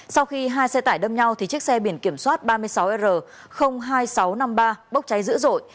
sau khi hai xe tải đâm nhau thì chiếc xe biển kiểm soát ba mươi sáu r hai nghìn sáu trăm năm mươi ba bốc cháy dữ dội